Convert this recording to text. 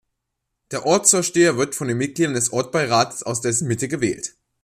Der Ortsvorsteher wird von den Mitgliedern des Ortsbeirates aus dessen Mitte gewählt.